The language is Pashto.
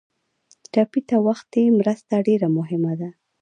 ټپي ته وختي مرسته ډېره مهمه ده.